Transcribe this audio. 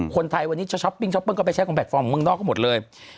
คนไทยวันนี้จะช้อปปิ้งช้อปปิ้งก็ไปใช้ของแพลตฟอร์มของเมืองนอกก็หมดเลย